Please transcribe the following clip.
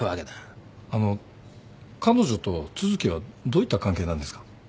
あの彼女と都築はどういった関係なんですか？